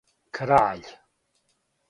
Краљ